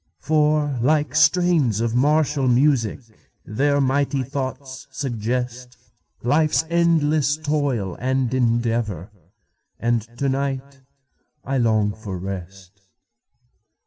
For, like strains of martial music, Their mighty thoughts suggestLife's endless toil and endeavor; And to night I long for rest.